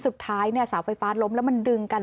สุดท้ายเสาไฟฟ้าล้มแล้วมันดึงกัน